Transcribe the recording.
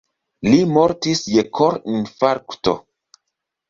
Li mortis je korinfarkto.